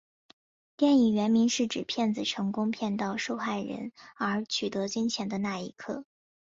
电影原名是指骗子成功骗倒受害人而取得金钱的那一刻。